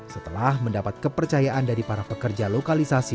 setelah mendapat kepercayaan dari para pekerja lokalisasi